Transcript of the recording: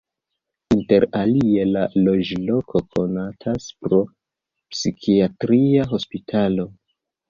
Inter alie la loĝloko konatas pro psikiatria hospitalo.